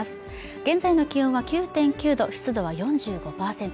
現在の気温は９．９度湿度は４５％